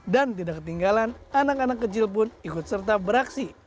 dan tidak ketinggalan anak anak kecil pun ikut serta beraksi